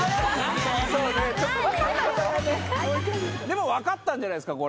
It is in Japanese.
でも分かったんじゃないですか？